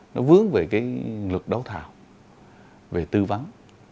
nó vướng về lực đấu thảo về tư vấn